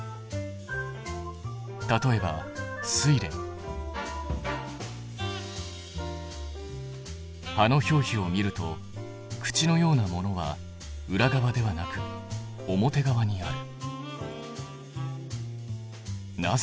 例えば葉の表皮を見ると口のようなものは裏側ではなく表側にある。